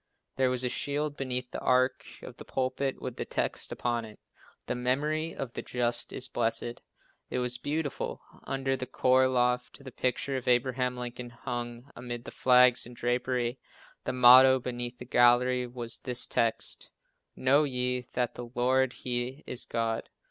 There was a shield beneath the arch of the pulpit with this text upon it: "The memory of the just is blessed." It was beautiful. Under the choir loft the picture of Abraham Lincoln hung amid the flags and drapery. The motto, beneath the gallery, was this text: "Know ye that the Lord He is God."